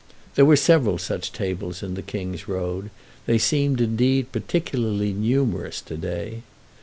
There were several such tables in the King's Road—they seemed indeed particularly numerous today.